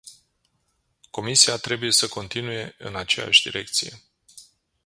Comisia trebuie să continue în aceeași direcție.